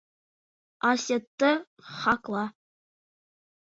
— Асетты һаҡла.